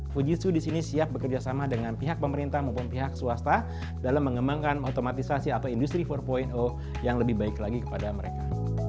fujitsu di sini siap bekerjasama dengan pihak pemerintah maupun pihak swasta dalam mengembangkan otomatisasi atau industri empat yang lebih baik lagi kepada mereka